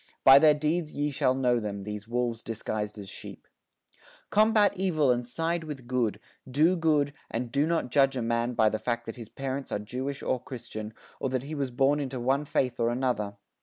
By their deeds ye shall know them, these wolves disguised as sheep. Combat evil and side with good, do good, and do not judge a man by the fact that his parents are Jewish or Christian, or that he was born into one faith or another.